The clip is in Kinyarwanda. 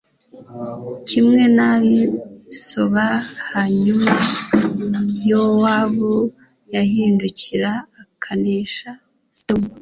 kimwe n’ab’i Soba hanyuma Yowabu yahindukira akanesha Edomu